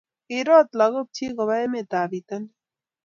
kiirot lagokchich koba emetab bitonin